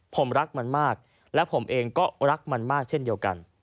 ผมรักมันมากและผมเองก็รักมันมากเช่นเดียวกัน